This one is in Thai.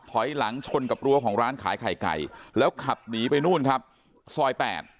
ถอยหลังชนกับรั้วของร้านขายไข่ไก่แล้วขับหนีไปนู่นครับซอยแปด